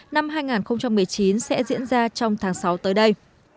năm hai nghìn một mươi chín sẽ diễn ra trong tháng sáu tới đây